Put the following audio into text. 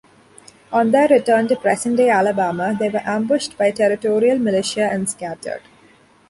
On their return to present-day Alabama, they were ambushed by territorial militia and scattered.